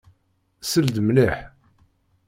Sel-d mliḥ.